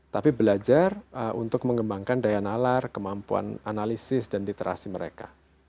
tapi belajar untuk mengembangkan daya nalar kemampuan analisis dan literasi mereka